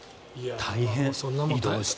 大変、移動して。